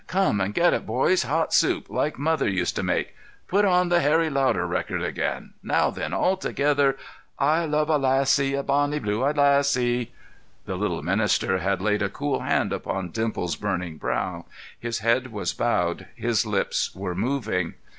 Come and get it, boys. Hot soup—like mother used to make. Put on the Harry Lauder record again. Now then, all together: "I love a lassie, a bonnie, blue eyed lassie." The little minister had laid a cool hand upon Dimples's burning brow; his head was bowed; his lips were moving.